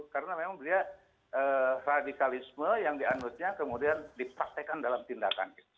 karena memang dia radikalisme yang dianudnya kemudian dipraktekan dalam tindakan